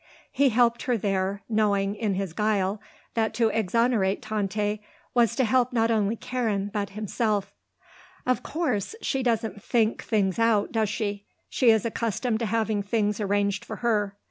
He helped her there, knowing, in his guile, that to exonerate Tante was to help not only Karen but himself. "Of course; but she doesn't think things out, does she? She is accustomed to having things arranged for her.